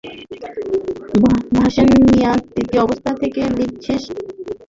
Valencia তৃতীয় অবস্থানে থেকে লীগ শেষ করে এবং চ্যাম্পিয়নস লিগে খেলার যোগ্যতা অর্জন করে।